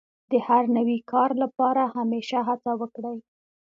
د هر نوي کار لپاره همېشه هڅه وکړئ.